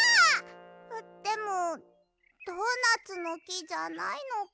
あっでもドーナツのきじゃないのか。